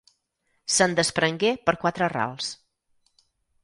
Se'n desprengué per quatre rals.